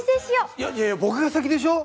いやいや僕が先でしょ！